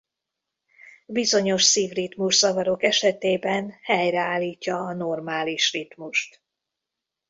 Bizonyos szívritmuszavarok esetében helyreállítja a normális ritmust.